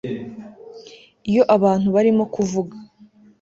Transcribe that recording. iyo abantu barimo kuvuga